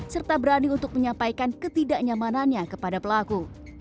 serta berani untuk menyampaikan ketidaknyamanannya kepada pelaku